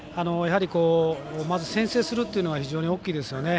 まず先制するというのは非常に大きいですよね。